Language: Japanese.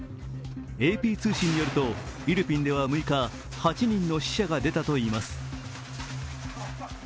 ＡＰ通信によると、イルピンでは６日、８人の死者が出たといいます。